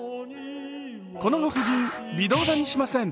このご婦人、微動だにしません。